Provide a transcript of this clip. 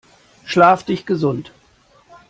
Schlaf dich gesund!